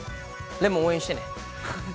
でも応援してね。